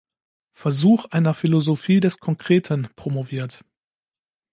Versuch einer Philosophie des Konkreten“ promoviert.